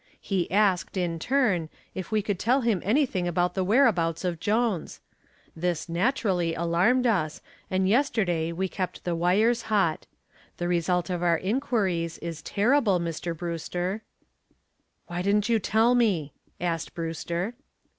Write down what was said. He asked, in turn, if we could tell him anything about the whereabouts of Jones. This naturally alarmed us and yesterday we kept the wires hot. The result of our inquiries is terrible, Mr. Brewster." "Why didn't you tell me?" asked Brewster.